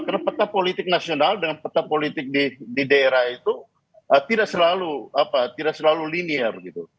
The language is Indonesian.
karena peta politik nasional dan peta politik di daerah itu tidak selalu linier